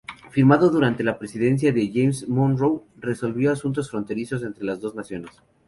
Firmado durante la presidencia de James Monroe, resolvió asuntos fronterizos entre las dos naciones.